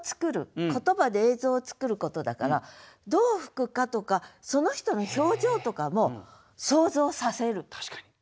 言葉で映像をつくることだからどう吹くかとかその人の表情とかも想像させる。